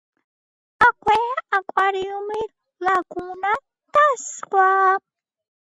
აქვეა აკვარიუმი, ლაგუნა და სხვა.